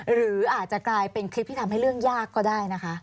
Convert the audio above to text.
หรืออาจจะกลายเป็นคลิปที่ทำให้เรื่องยากก็ได้นะคะ